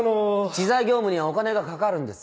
知財業務にはお金がかかるんです。